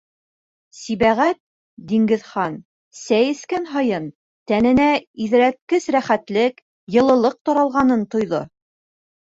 Сибәғәт-Диңгеҙхан сәй эскән һайын, тәненә иҙерәткес рәхәтлек, йылылыҡ таралғанын тойҙо.